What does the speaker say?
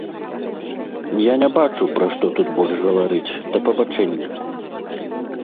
Я не бачу, пра што тут больш гаварыць, да пабачэння.